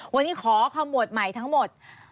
วันนี้ขอขมวดใหม่ทั้งหมด